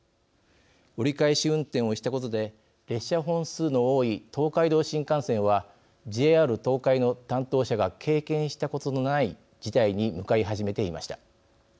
折り返し運転をしたことで列車本数の多い東海道新幹線はＪＲ東海の担当者が経験したことのない事態に向かい始めていました。